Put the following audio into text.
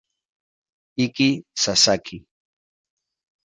Ikki Sasaki